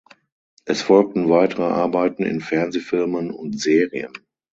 Es folgten weitere Arbeiten in Fernsehfilmen und Serien.